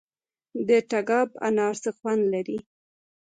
د تګاب انار څه خوند لري؟